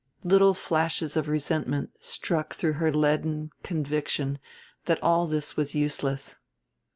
Little flashes of resentment struck through her leaden, conviction that all this was useless.